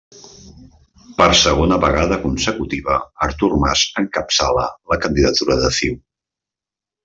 Per segona vegada consecutiva Artur Mas encapçala la candidatura de CiU.